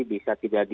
bisa tidak terjadi